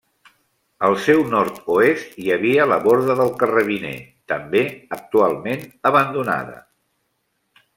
Al seu nord-oest hi havia la Borda del Carrabiner, també actualment abandonada.